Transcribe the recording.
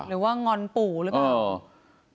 หรือว่างอนปู่หรือเปล่า